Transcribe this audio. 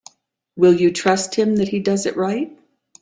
Will you trust him that he does it right?